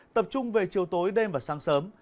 tập trung về chiều tối đêm và sáng sớm